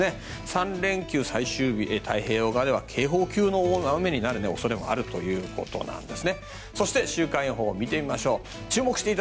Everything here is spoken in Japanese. ３連休最終日太平洋側では警報級の大雨になるという予報もあるんです。